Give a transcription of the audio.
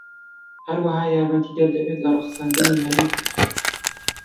هەروەها یارمەتیدەر دەبێت لە ڕەخساندنی هەلی کار.